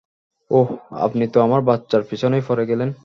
ওহু, আপনি তো আমার বাচ্চার পিছনেই পরে গেলেন!